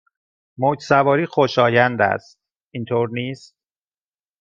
موج سواری خوشایند است، اینطور نیست؟